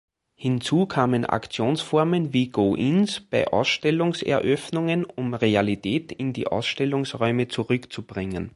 Hinzu kamen Aktionsformen wie Go-ins bei Ausstellungseröffnungen, um Realität in die Ausstellungsräume zurückzubringen.